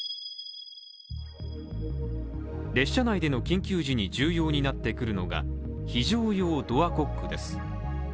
列車内での緊急時に重要になってくるのが、非常用ドアコックです。